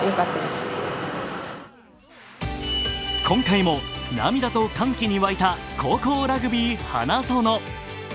今回も涙と歓喜に沸いた、高校ラグビー花園。